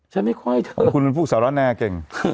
ฉันไม่ค่อยเธอคุณมันผู้สาวร้อนแน่เก่ง